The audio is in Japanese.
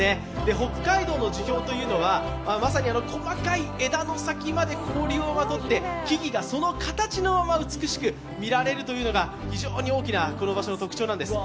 北海道の樹氷というのはまさに細かい枝の先まで氷をまとって木々がその形のまま美しく見られるというのが非常に大きなこの場所の特徴なんです。